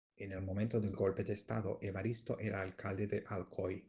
En el momento del golpe de estado Evaristo era alcalde de Alcoy.